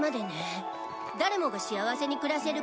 誰もが幸せに暮らせる国なんだ。